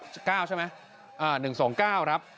จะ๙ใช่ไหม๑๒๙ครับ